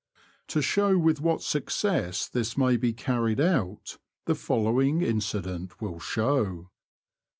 To show with what success this may be carried out, the following incident will show.